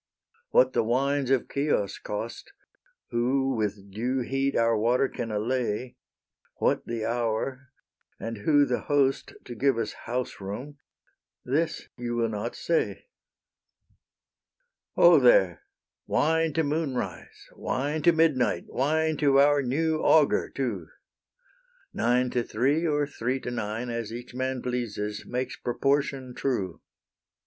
What the wines of Chios cost, Who with due heat our water can allay, What the hour, and who the host To give us house room, this you will not say. Ho, there! wine to moonrise, wine To midnight, wine to our new augur too! Nine to three or three to nine, As each man pleases, makes proportion true.